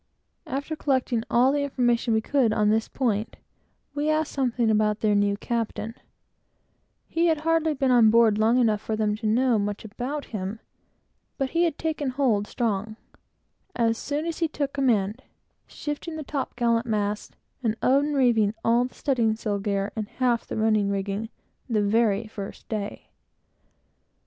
After collecting all the information we could get on this point, we asked something about their new captain. He had hardly been on board long enough for them to know much about him, but he had taken hold strong, as soon as he took command; sending down the top gallant masts, and unreeving half the rigging, the very first day.